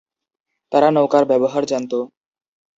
তারা নৌকার ব্যবহার জানত।